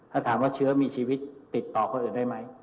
ถ้าถามว่าเชื้อมีชีวิตติดต่อคนอื่นได้ไหม